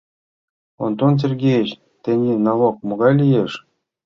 Онтон Сергеич, тений налог могай лиеш?